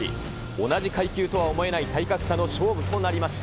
同じ階級とは思えない体格差の勝負となりました。